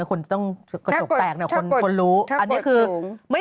คู่แหละหรือว่าเนี่ย